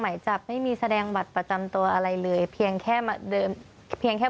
หมายจับไม่มีแสดงบัตรประจำตัวอะไรเลยเพียงแค่มาเดินเพียงแค่